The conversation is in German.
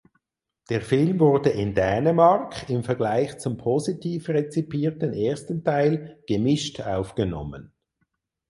Der Film wurde in Dänemark im Vergleich zum positiv rezipierten ersten Teil gemischt aufgenommen.